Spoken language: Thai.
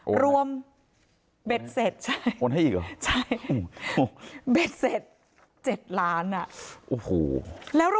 โอ๊นรวมเบสตเจ็ดใช่ออลให้อีกเหรอใช่เบสเจ็ด๗ล้านอ่ะโอ้โห